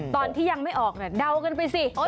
ตอนที่ยังไม่ออกเดากันไปสิ